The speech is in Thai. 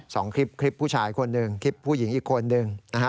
สองคลิปคลิปผู้ชายคนหนึ่งคลิปผู้หญิงอีกคนหนึ่งนะฮะ